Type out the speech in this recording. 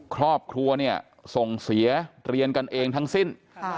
ครอบครัวเนี่ยส่งเสียเรียนกันเองทั้งสิ้น